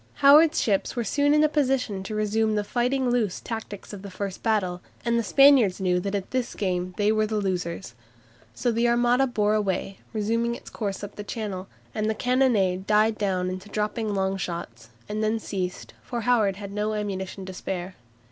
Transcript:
Howard's ships were soon in a position to resume the "fighting loose" tactics of the first battle, and the Spaniards knew that at this game they were the losers. So the Armada bore away, resuming its course up Channel, and the cannonade died down into dropping long shots, and then ceased, for Howard had no ammunition to spare.